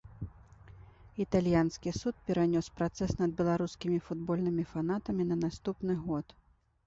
Італьянскі суд перанёс працэс над беларускімі футбольнымі фанатамі на наступны год.